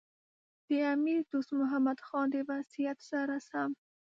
د امیر دوست محمد خان د وصیت سره سم.